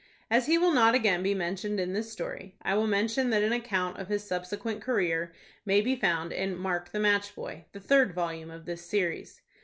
As he will not again be mentioned in this story, I will mention that an account of his subsequent career may be found in "Mark, the Match Boy," the third volume of this series.